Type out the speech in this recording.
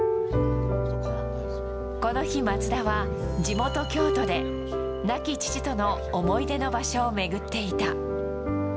この日、松田は地元、京都で亡き父との思い出の場所を巡っていた。